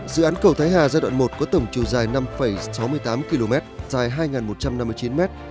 dự án cầu thái hà giai đoạn một có tổng chiều dài năm sáu mươi tám km dài hai một trăm năm mươi chín m